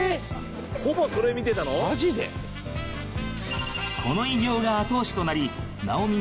ほぼそれ見てたの？